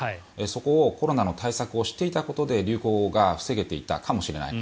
そこをコロナの対策をしていたことで流行が防げていたかもしれない。